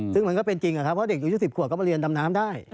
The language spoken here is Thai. ซึ่งมันก็เป็นจริงเพราะเด็กอายุ๑๐ขวบก็มาเรียนดำน้ำได้